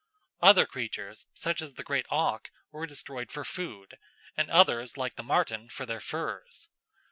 Other creatures, such as the great auk, were destroyed for food, and others like the marten for their furs.